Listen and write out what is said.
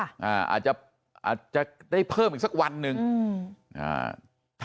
อาจจะอาจจะได้เพิ่มอีกสักวันหนึ่งอืมอ่า